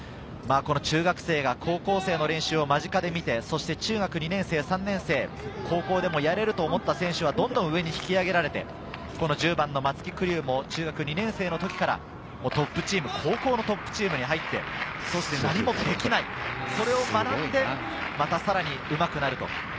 中学生が高校生の練習を間近で見て、中学２年生、３年生、高校でもやれると、思った選手はどんどん上に引き上げられて、１０番の松木玖生も中学２年生の時からトップチーム、高校のトップチームに入って、何もできない、それを学んで、またさらにうまくなる。